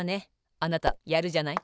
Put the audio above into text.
あなたやるじゃない。